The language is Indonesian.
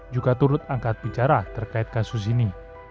juga turut angkat bicara terkait kasus ini